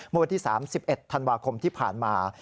มที่๓๑ธันวาคมที่ผ่านมา